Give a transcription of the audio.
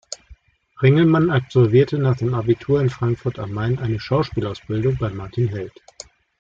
Ringelmann absolvierte nach dem Abitur in Frankfurt am Main eine Schauspielausbildung bei Martin Held.